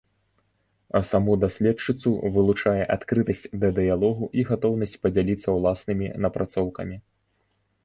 А саму даследчыцу вылучае адкрытасць да дыялогу і гатоўнасць падзяліцца ўласнымі напрацоўкамі.